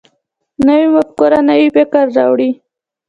نوې مفکوره نوی فکر راوړي